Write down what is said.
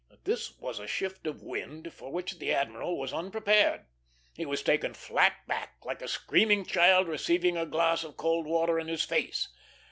This was a shift of wind for which the admiral was unprepared. He was taken flat back, like a screaming child receiving a glass of cold water in his face.